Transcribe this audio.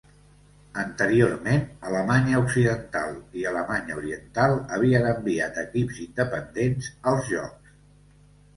Anteriorment, Alemanya Occidental i Alemanya Oriental havien enviat equips independents als Jocs.